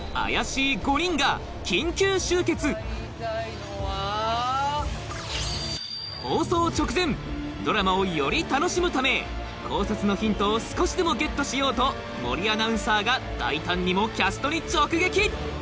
特に放送直前ドラマをより楽しむため考察のヒントを少しでもゲットしようと森アナウンサーが大胆にもキャストに直撃！